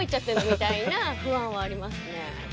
みたいな不安はありますね。